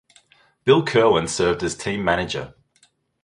Bill Kerwin served as team manager.